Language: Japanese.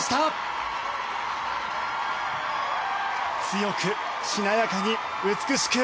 強くしなやかに美しく。